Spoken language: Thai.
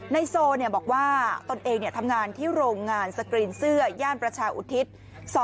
โซบอกว่าตนเองทำงานที่โรงงานสกรีนเสื้อย่านประชาอุทิศ